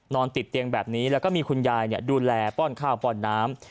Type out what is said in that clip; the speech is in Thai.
ติดเตียงแบบนี้แล้วก็มีคุณยายดูแลป้อนข้าวป้อนน้ำ